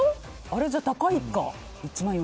あれ、じゃあ高いか。